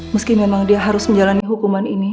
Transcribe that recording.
meski memang dia harus menjalani hukuman ini